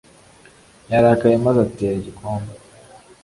Yarakaye maze atera igikombe.